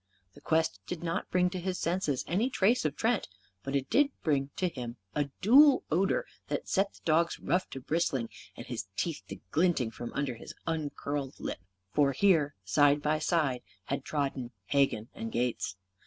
The quest did not bring to his senses any trace of Trent. But it did bring to him a dual odour that set the dog's ruff to bristling, and his teeth to glinting from under his uncurled lip. For here, side by side, had trodden Hegan and Gates.